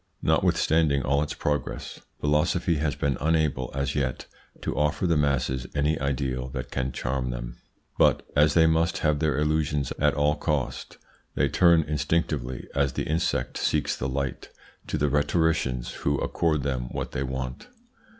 Notwithstanding all its progress, philosophy has been unable as yet to offer the masses any ideal that can charm them; but, as they must have their illusions at all cost, they turn instinctively, as the insect seeks the light, to the rhetoricians who accord them what they want.